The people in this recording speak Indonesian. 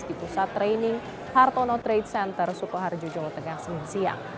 di pusat training hartono trade center sukoharjo jawa tengah senin siang